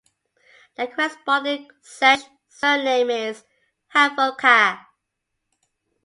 The corresponding Czech surname is Havelka.